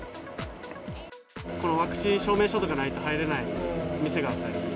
このワクチン証明書とかがないと入れない店があったり。